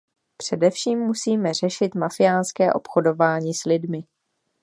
Především musíme řešit mafiánské obchodování s lidmi.